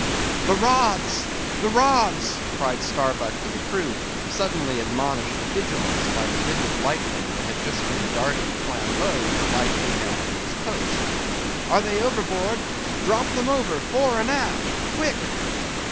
"The rods! the rods!" cried Starbuck to the crew, suddenly admonished to vigilance by the vivid lightning that had just been darting flambeaux, to light Ahab to his post. "Are they overboard? drop them over, fore and aft. Quick!"